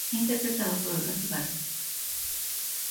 Interpretado por Olga Zubarry.